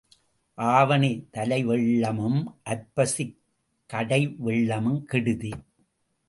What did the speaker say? ஆவணி தலை வெள்ளமும் ஐப்பசி கடை வெள்ளமும் கெடுதி.